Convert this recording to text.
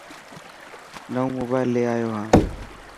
نئون موبائل لي آيو هان.